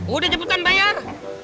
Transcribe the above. udah cepetan bayar